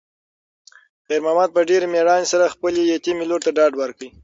خیر محمد په ډېرې مېړانې سره خپلې یتیمې لور ته ډاډ ورکړ.